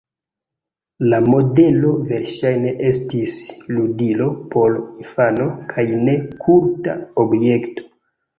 La modelo verŝajne estis ludilo por infano, kaj ne kulta objekto.